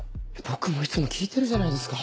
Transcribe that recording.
僕もいつも聞いてるじゃないですか。